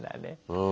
うん。